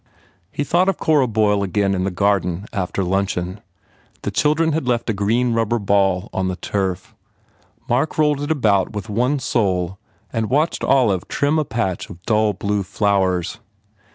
He thought of Cora Boyle again in the garden after luncheon. The children had left a green rubber ball on the turf. Mark rolled it about with one sole and watched Olive trim a patch of dull blue flowers.